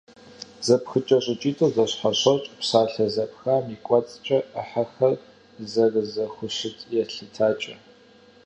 Зэпхыкӏэ щӏыкӏитӏыр зэщхьэщокӏ псалъэ зэпхам и кӏуэцӏкӏэ ӏыхьэхэр зэрызэхущыт елъытакӏэ.